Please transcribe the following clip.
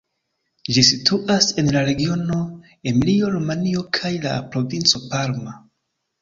Ĝi situas en la regiono Emilio-Romanjo kaj la provinco Parma.